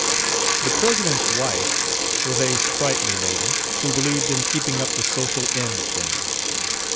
The president's wife was a sprightly lady, who believed in keeping up the social end of things.